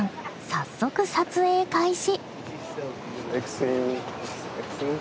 早速撮影開始。